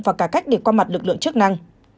và cả cách để qua mặt lực lượng chức năng